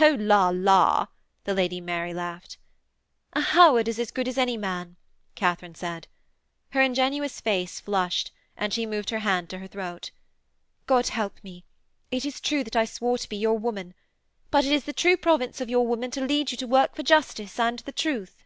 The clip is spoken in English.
'Oh, la, la,' the Lady Mary laughed. 'A Howard is as good as any man,' Katharine said. Her ingenuous face flushed, and she moved her hand to her throat. 'God help me: it is true that I swore to be your woman. But it is the true province of your woman to lead you to work for justice and the truth.'